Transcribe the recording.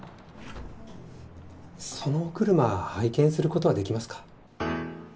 そのお車拝見することはできますか？